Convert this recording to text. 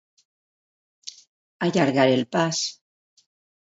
Allargar el pas.